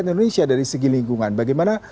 indonesia dari segi lingkungan bagaimana